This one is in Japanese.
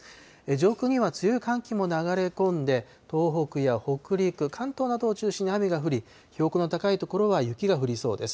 上空には強い寒気も流れ込んで、東北や北陸、関東などを中心に雨が降り、標高の高い所は雪が降りそうです。